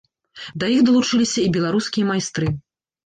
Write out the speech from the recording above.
Да іх далучыліся і беларускія майстры.